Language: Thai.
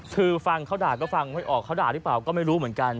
คือฟังเขาด่าก็ฟังไม่ออกเขาด่าหรือเปล่าก็ไม่รู้เหมือนกัน